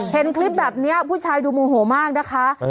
เห็นคลิปแบบนี้ผู้ชายดูโมโหมากนะคะ